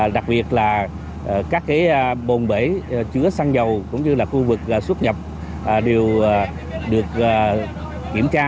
đặc biệt là các bồn bể chứa xăng dầu cũng như là khu vực xuất nhập đều được kiểm tra